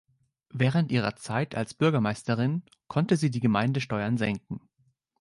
Während ihrer Zeit als Bürgermeisterin konnte sie die Gemeindesteuern senken.